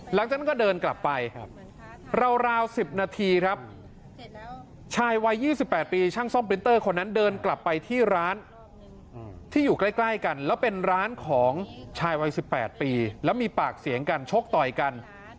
หลังจากนั้นก็เดินกลับไปราว๑๐นาทีครับชายวัย๒๘ปีช่างซ่อมปรินเตอร์คนนั้นเดินกลับไปที่ร้านที่อยู่ใกล้กันแล้วเป็นร้านของชายวัย๑๘ปีแล้วมีปากเสียงกันชกต่อยกัน